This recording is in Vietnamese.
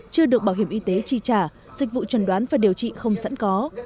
chưa được bảo hiểm y tế chi trả dịch vụ trần đoán và điều trị không sẵn có